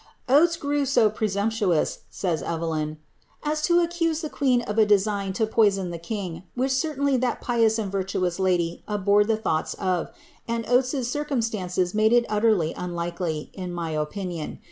^^ Oates grew so presumptuous,^' says Evelyn, ^ as to accuse the queeo of a design to poison tlie king, which certainly that pious and virtuous lady abhorred the thoughts of, and Oates's circumstances made it uttedf unlikely, in my opinion.